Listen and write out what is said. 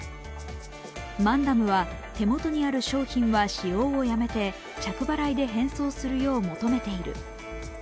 マンダムは、手元にある商品は使用をやめて着払いで返送するよう求めている。